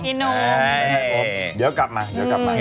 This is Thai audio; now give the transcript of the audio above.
พี่นุมไม่ใช่ผมเดี๋ยวกลับมาเดี๋ยวกลับมาโอเค